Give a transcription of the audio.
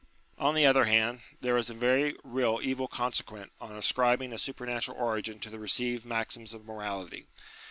On the other hand, there is a very real evil conse quent on ascribing a supernatural origin to the received maxims of morality.